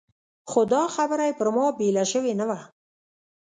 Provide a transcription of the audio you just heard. خو دا خبره یې پر ما بېله شوې نه وه.